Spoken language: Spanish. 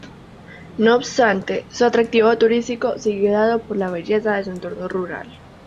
No obstante, su atractivo turístico sigue dado por la belleza de su entorno rural.